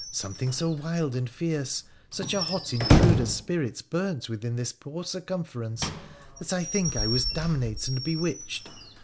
Something so wild and fierce, such a hot intruder spirit burnt within this poor circumference, that I think I was damnate and bewitched.